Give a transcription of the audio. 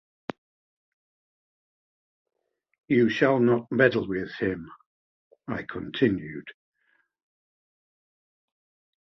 ‘You shall not meddle with him!’ I continued.